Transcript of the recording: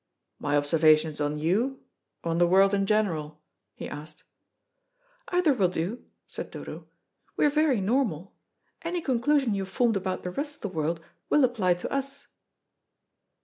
"My observations on you, or on the world in general?" he asked. "Either will do," said Dodo; "we're very normal. Any conclusion you have formed about the rest of the world will apply to us."